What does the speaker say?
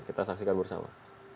kita saksikan bersama